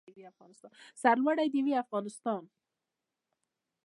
سر لوړی د وي افغانستان.